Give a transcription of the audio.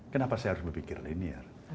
kenapa saya harus berpikir linear